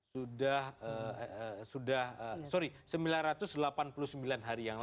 sudah sudah sorry sembilan ratus delapan puluh sembilan hari yang lalu